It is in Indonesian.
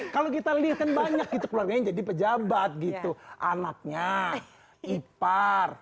kalau kita lihat banyak itu keluarga jadi pejabat gitu anaknya ipar